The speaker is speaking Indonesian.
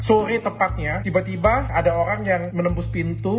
sore tepatnya tiba tiba ada orang yang menembus pintu